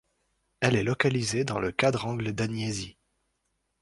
Elle est localisée dans le quadrangle d'Agnesi.